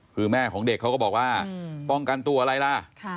คือแม่ของเด็กเขาก็บอกว่าป้องกันตัวอะไรล่ะ